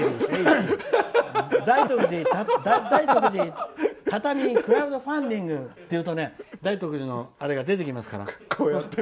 大徳寺、畳クラウドファンディングと言うと大徳寺のあれが出てきますから。